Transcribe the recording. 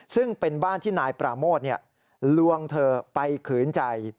ซึ่งเป็นบ้านที่นายปราโมทลวงเธอไปขืนใจ